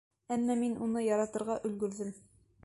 Әммә мин уны яратырға өлгөрҙөм.